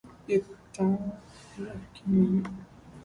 The Town, rock in rio